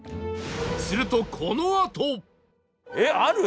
するとこのあと！